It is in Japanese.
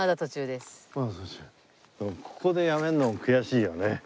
でもここでやめるのも悔しいよね。